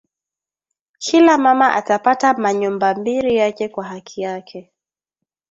Kila mama ata pata ma nyumba mbiri yake kwa haki yake